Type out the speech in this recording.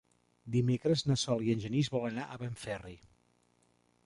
Dimecres na Sol i en Genís volen anar a Benferri.